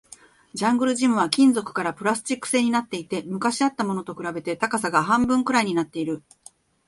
ジャングルジムは金属からプラスチック製になっていて、昔あったものと比べて高さが半分くらいになっている